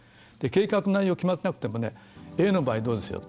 計画内容決まってなくてもＡの場合、どうでしょう？